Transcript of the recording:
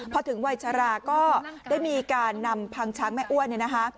พอถึงวัยชาราก็ได้มีการนำพังช้างแม่อ้วน